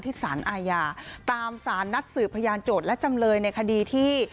ที่ศาลอายาตามศาลนักสือพยานโจทย์และจำเลยในคดีที่